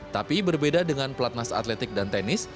tapi berbeda dengan pelatnas atletik dan tenis